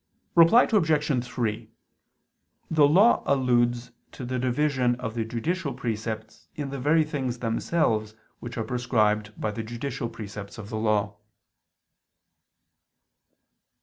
Reply Obj. 3: The Law alludes to the division of the judicial precepts in the very things themselves which are prescribed by the judicial precepts of the Law.